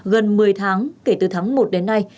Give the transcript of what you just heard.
gần một mươi tháng kể từ tháng một đến nay